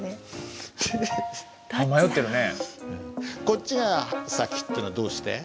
こっちが先っていうのはどうして？